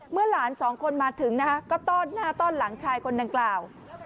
หลานสองคนมาถึงนะคะก็ต้อนหน้าต้อนหลังชายคนดังกล่าว